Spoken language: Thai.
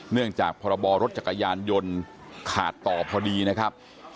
จากพรบรถจักรยานยนต์ขาดต่อพอดีนะครับ